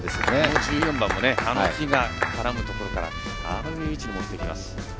１４番も木が絡むところからいい位置に持っていきます。